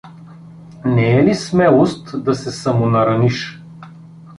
Не е ли смелост да се самонараниш?